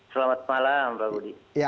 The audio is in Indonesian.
selamat malam pak budi